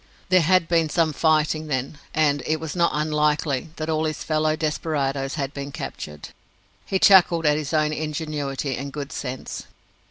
There had been some fighting, then, and it was not unlikely that all his fellow desperadoes had been captured! He chuckled at his own ingenuity and good sense.